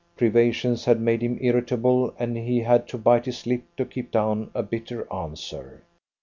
Privations had made him irritable, and he had to bite his lip to keep down a bitter answer.